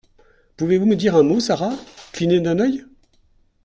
Pouvez-vous me dire un mot, Sara? Cligner d’un œil ?